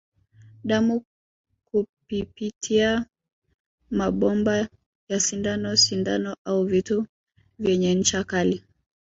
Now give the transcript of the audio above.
Damu kupipitia mabomba ya sindano sindano au vitu vyenye ncha kali